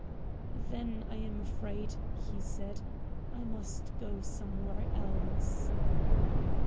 "Then I am afraid," he said, "I must go somewhere else."